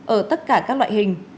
ở tất cả các loại hình